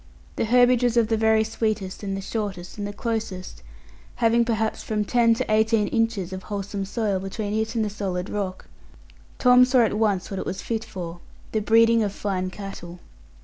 The herbage was of the very sweetest, and the shortest, and the closest, having perhaps from ten to eighteen inches of wholesome soil between it and the solid rock. Tom saw at once what it was fit for the breeding of fine cattle.